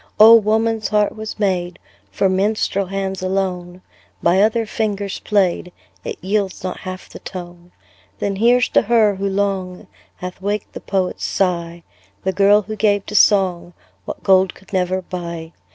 Oh! woman's heart was made For minstrel hands alone; By other fingers played, It yields not half the tone. Then here's to her, who long Hath waked the poet's sigh, The girl who gave to song What gold could never buy.